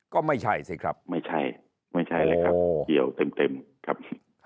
ก็ไม่ใช่สิครับไม่ใช่ไม่ใช่เลยครับเกี่ยวเต็มครับ